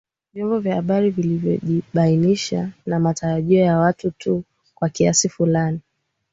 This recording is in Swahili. Vyombo vya habari vilijibainisha na matarajio ya watu tu kwa kiasi fulani